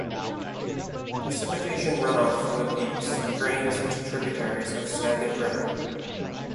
Precipitation runoff from the peaks drains into tributaries of Skagit River.